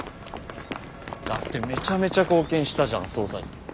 だってめちゃめちゃ貢献したじゃん捜査に。